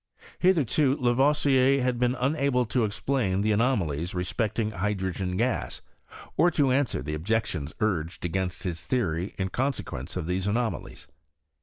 Hitherto Lavoisier had been unable to explain the anomalies respecting hydrogen gas, or to answer the objections urged against his theory in conse quence of these anomedies.